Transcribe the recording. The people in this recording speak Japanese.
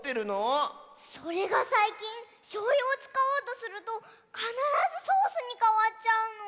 それがさいきんしょうゆをつかおうとするとかならずソースにかわっちゃうの。